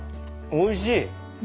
おいしい！